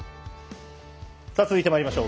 続いてまいりましょう。